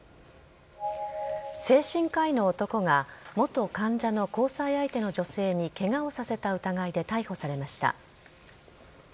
精神科医の男が、元患者の交際相手の女性にけがをさせた疑いで逮捕されました。